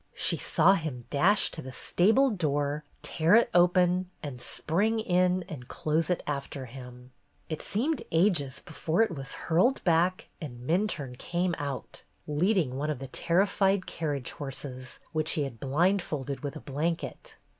She saw him dash to the stable door, tear it open, spring in and close it after him. It seemed ages before it was hurled back and Minturne came out, leading one of the THE FIRE 137 terrified carriage horses, which he had blind folded with a blanket.